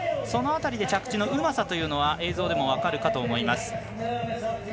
その辺りで着地のうまさは映像でも分かるかと思います。